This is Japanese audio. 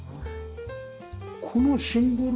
このシンボル